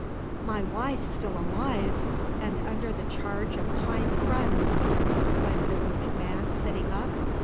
"My wife still alive! and under the charge of kind friends!" exclaimed the wounded man, sitting up.